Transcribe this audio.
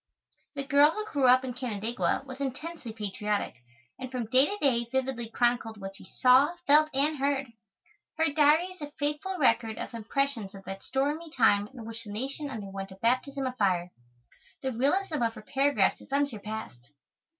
The girl who grew up in Canandaigua was intensely patriotic, and from day to day vividly chronicled what she saw, felt, and heard. Her Diary is a faithful record of impressions of that stormy time in which the nation underwent a baptism of fire. The realism of her paragraphs is unsurpassed.